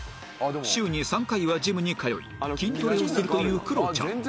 週に３回はジムに通い筋トレをするというクロちゃん